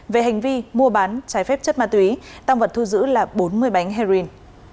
về hành vi mua bán trái phép chất ma túy tăng vật thu giữ là bốn mươi bánh heroin